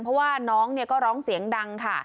เพราะว่าน้องก็ร้องเสียงดังค่ะ